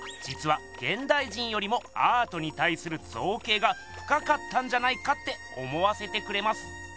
じつはげんだい人よりもアートにたいするぞうけいがふかかったんじゃないかって思わせてくれます。